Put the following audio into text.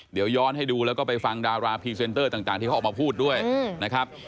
เดี๋ยวย้อนให้ดูแล้วก็ไปฟังดาราพรีเซนเตอร์ต่างที่เขาออกมาพูดด้วยนะครับ